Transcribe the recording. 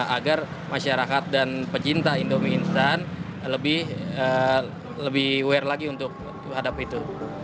agar masyarakat dan pecinta indomie instan lebih aware lagi untuk hadap itu